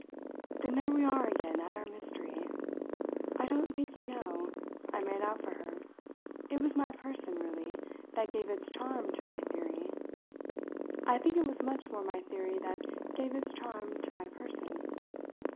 "Then there we are again at our mystery! I don't think, you know," I made out for her, "it was my person, really, that gave its charm to my theory; I think it was much more my theory that gave its charm to my person.